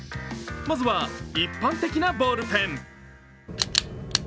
まずは一般的なボールペン。